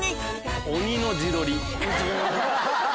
鬼の自撮り。